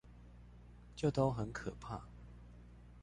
就都很可怕